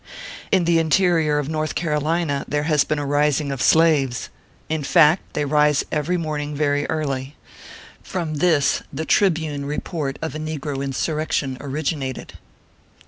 In the interior of North Carolina there has been a rising of slaves. In fact, they rise every morning very early. From this the Tribune report of a negro insurrection originated.